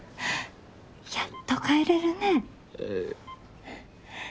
やっと帰れるね。